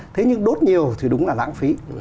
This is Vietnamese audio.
thế nhưng đốt nhiều thì đúng là lãng phí